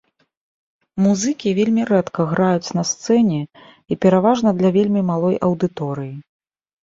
Музыкі вельмі рэдка граюць на сцэне і пераважна для вельмі малой аўдыторыі.